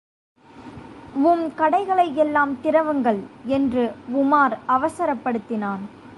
உம் கடைகளை எல்லாம் திறவுங்கள் என்று உமார் அவசரப் படுத்தினான்.